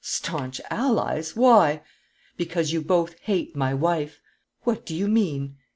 "Stanch allies! Why?" "Because you both hate my wife." "What do you mean?"